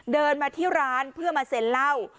เดินมาที่ร้านเพื่อมาเซ็นเหล้า